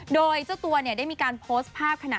โดยเจ้าตัวได้มีการโพสต์ภาพขณะ